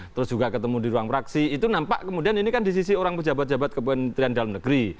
terus juga ketemu di ruang praksi itu nampak kemudian ini kan di sisi orang pejabat pejabat kementerian dalam negeri